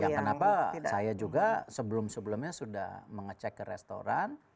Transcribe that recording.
ya kenapa saya juga sebelum sebelumnya sudah mengecek ke restoran